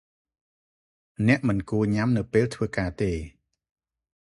អ្នកមិនគួរញ៉ាំនៅពេលធ្វើការទេ ។